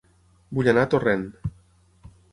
Vull anar a Torrent